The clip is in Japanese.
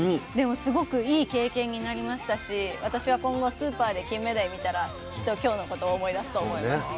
でもすごくいい経験になりましたし私は今後スーパーでキンメダイ見たらきっと今日のことを思い出すと思います。